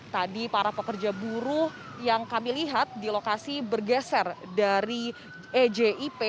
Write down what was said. tadi para pekerja buruh yang kami lihat di lokasi bergeser dari ejip